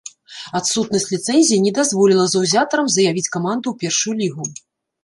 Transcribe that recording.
Адсутнасць ліцэнзіі не дазволіла заўзятарам заявіць каманду ў першую лігу.